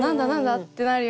ってなるような。